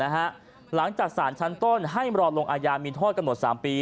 หลังจากสารชั้นต้นให้รอลงอายามีโทษกำหนด๓ปี